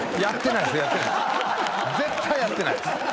やってないっす。